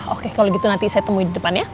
oke kalau gitu nanti saya temuin di depan ya